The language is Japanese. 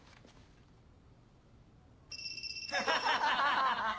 ハハハハ！